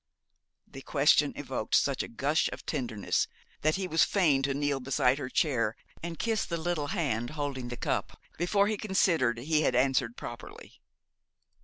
The question evoked such a gush of tenderness that he was fain to kneel beside her chair and kiss the little hand holding the cup, before he considered he had answered properly.